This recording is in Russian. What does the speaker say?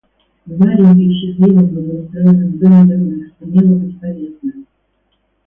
Варенька и в счастливом благоустроенном доме Левиных сумела быть полезною.